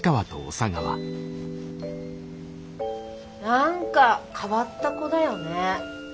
何か変わった子だよね。